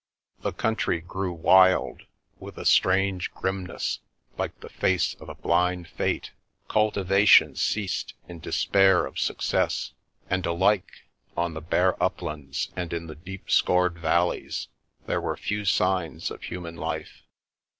The country grew wild, with a strange grimness, like the face of a blind Fate ; culti vation ceased in despair of success ; and alike on the bare uplands and in the deep scored valleys there were few signs of human life.